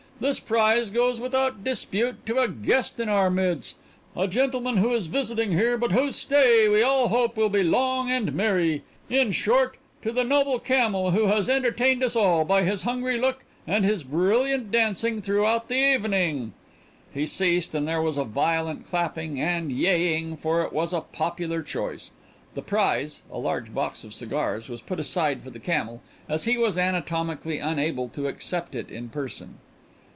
This prize goes without dispute to a guest in our midst, a gentleman who is visiting here but whose stay we all hope will be long and merry in short, to the noble camel who has entertained us all by his hungry look and his brilliant dancing throughout the evening." He ceased and there was a violent clapping, and yeaing, for it was a popular choice. The prize, a large box of cigars, was put aside for the camel, as he was anatomically unable to accept it in person.